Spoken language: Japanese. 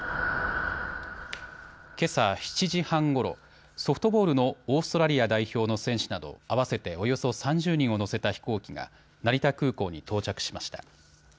けさ７時半ごろ、ソフトボールのオーストラリア代表の選手など合わせておよそ３０人を乗せた飛行機が成田空港に到着しました。